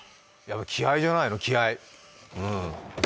気合いじゃないの、気合い。